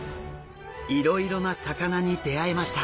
いろいろな魚に出会えました。